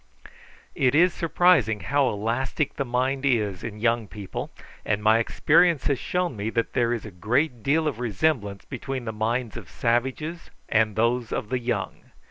It is surprising how elastic the mind is in young people, and my experience has shown me that there is a great deal of resemblance between the minds of savages and those of the young.